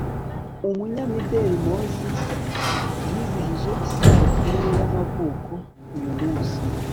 Umunyamideri moses yizihije isabukuru ye yamavuko uyumunsi